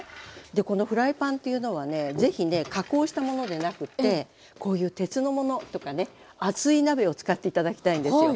このフライパンというのはねぜひね加工したものでなくってこういう鉄のものとかね厚い鍋を使って頂きたいんですよ。